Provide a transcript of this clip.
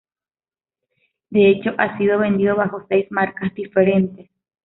De hecho, ha sido vendido bajo seis marcas diferentes.